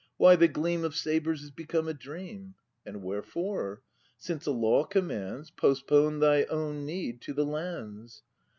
Why, the gleam Of sabres is become a dream! And wherefore? Since a law commands: Postpone thy own need to the Land's!